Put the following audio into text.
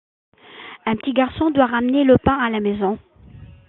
Un petit garçon doit ramener le pain à la maison.